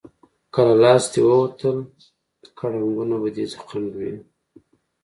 که له لاسه دې ووتل، کړنګونه به دې خنډ وي.